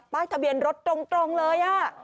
ทะเบียนรถตรงเลย